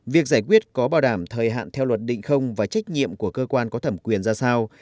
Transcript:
việc giải quyết có bảo đảm thời hạn theo luật định không và trách nhiệm của cơ quan có thẩm quyền ra sao